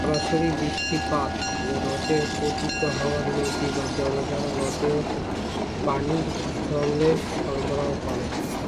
সরাসরি বৃষ্টিপাত ও হ্রদে পতিত হওয়া নদী বা জলধারা হ্রদে পানির বা জলের সরবরাহ করে।